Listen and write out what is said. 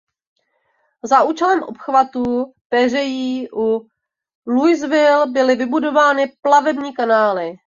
Za účelem obchvatu peřejí u Louisville byly vybudovány plavební kanály.